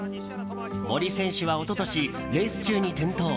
森選手は一昨年、レース中に転倒。